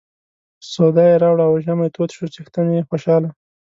سودا یې راوړه او ژمی تود شو څښتن یې خوشاله.